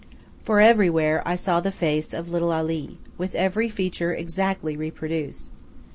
For everywhere I saw the face of little Ali, with every feature exactly reproduced.